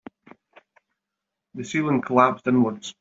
The ceiling collapsed inwards.